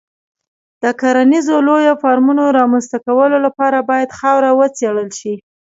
د کرنیزو لویو فارمونو رامنځته کولو لپاره باید خاوره وڅېړل شي.